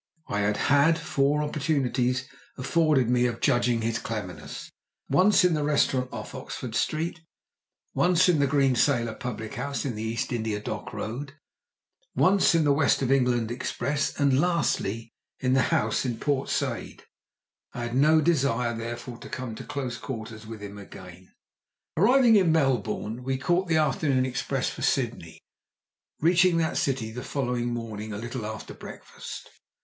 I had had four opportunities afforded me of judging of his cleverness once in the restaurant off Oxford Street, once in the Green Sailor public house in the East India Dock Road, once in the West of England express, and lastly, in the house in Port Said. I had no desire, therefore, to come to close quarters with him again. Arriving in Melbourne we caught the afternoon express for Sydney, reaching that city the following morning a little after breakfast.